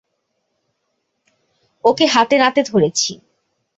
ওকে হাতেনাতে ধরেছি।